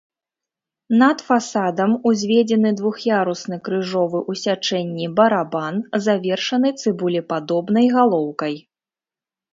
Над фасадам узведзены двух'ярусны крыжовы ў сячэнні барабан, завершаны цыбулепадобнай галоўкай.